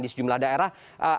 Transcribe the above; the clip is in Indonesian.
di sejumlah daerah